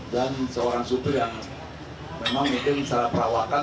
dan seorang supir yang memang mungkin secara perawakan